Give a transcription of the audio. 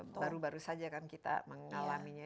baru baru saja kan kita mengalaminya